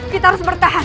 kita harus bertahan